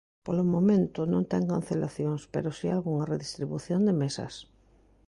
Polo momento, non ten cancelacións, pero si algunha redistribución de mesas.